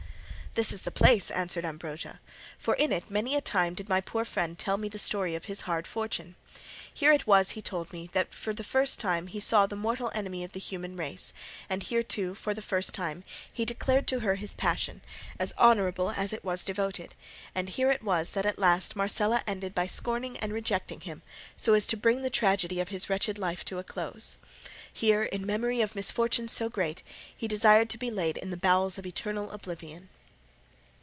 "This is the place," answered Ambrosio "for in it many a time did my poor friend tell me the story of his hard fortune. Here it was, he told me, that he saw for the first time that mortal enemy of the human race, and here, too, for the first time he declared to her his passion, as honourable as it was devoted, and here it was that at last Marcela ended by scorning and rejecting him so as to bring the tragedy of his wretched life to a close; here, in memory of misfortunes so great, he desired to be laid in the bowels of eternal oblivion."